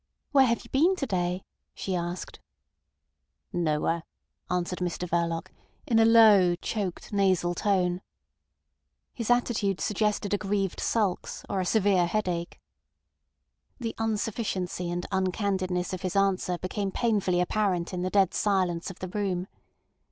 "Where have you been to day?" she asked. "Nowhere," answered Mr Verloc in a low, choked nasal tone. His attitude suggested aggrieved sulks or a severe headache. The unsufficiency and uncandidness of his answer became painfully apparent in the dead silence of the room.